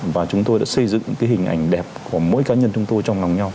và chúng tôi đã xây dựng cái hình ảnh đẹp của mỗi cá nhân chúng tôi trong lòng nhau